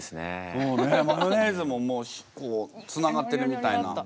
そうねマヨネーズももうつながってるみたいな。